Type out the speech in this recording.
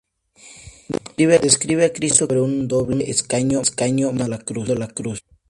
Describe a Cristo que está sobre un doble escaño, manteniendo la Cruz.